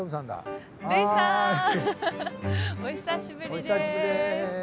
お久しぶりです。